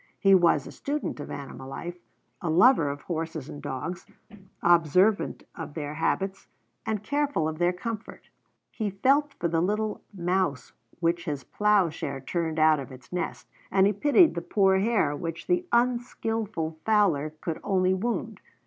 He was a student of animal life, a lover of horses and dogs, observant of their habits and careful of their comfort. He felt for the little mouse which his plowshare turned out of its nest, and he pitied the poor hare which the unskillful fowler could only wound.